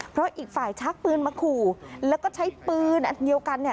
เพราะอีกฝ่ายชักปืนมาขู่แล้วก็ใช้ปืนอันเดียวกันเนี่ย